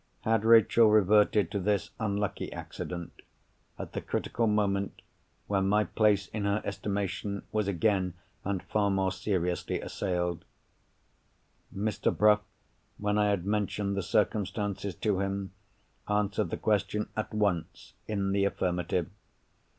Had Rachel reverted to this unlucky accident, at the critical moment when my place in her estimation was again, and far more seriously, assailed? Mr. Bruff, when I had mentioned the circumstances to him, answered the question at once in the affirmative.